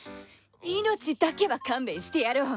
命だけは勘弁してやろう。